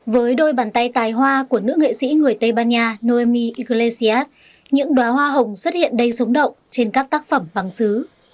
với đôi bàn tay tài hoa của nữ nghệ sĩ người tây ban nha noemi iglesias những đoá hoa hồng xuất hiện đầy sống động trên các tác phẩm vắng xứ